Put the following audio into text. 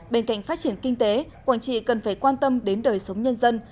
bên cạnh phát triển kinh tế quảng trị cần phải quan tâm đến đời sống nhân dân